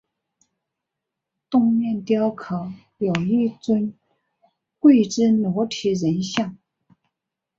东面雕刻有一尊跪姿裸体人像。